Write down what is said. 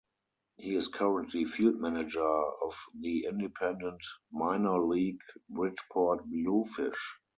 He is currently field manager of the independent minor league Bridgeport Bluefish.